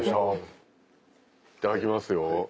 いただきますよ。